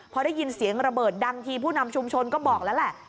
พอได้ยินเสียงระเบิดดังทีผู้นำชุมชนก็บอกแล้วแหละ